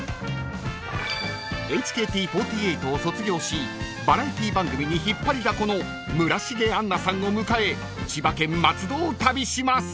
［ＨＫＴ４８を卒業しバラエティー番組に引っ張りだこの村重杏奈さんを迎え千葉県松戸を旅します］